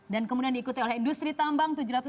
kemudian diikuti oleh industri tambang